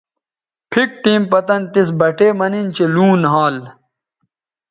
پِھک ٹیم پتَن تِس بٹے مہ نِن چہء لوں نھال